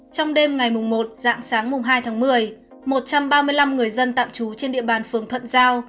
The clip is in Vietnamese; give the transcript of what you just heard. trong đêm ngày một dạng sáng mùng hai tháng một mươi một trăm ba mươi năm người dân tạm trú trên địa bàn phường thuận giao